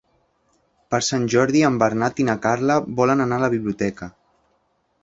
Per Sant Jordi en Bernat i na Carla volen anar a la biblioteca.